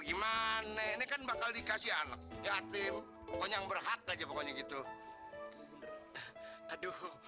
gimana ini kan bakal dikasih anak yatim pokoknya yang berhak aja pokoknya gitu aduh